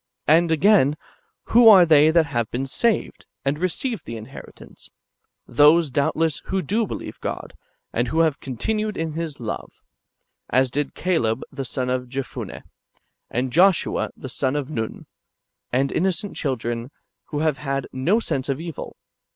And again, who are they that have been saved, and received the inheritance ? Those, doubtless, who do believe God, and who have continued in His love ; as did Caleb [the son] of Jephunneh, and Joshua [the son] of Nun,^ and innocent children, who have had no sense of evil.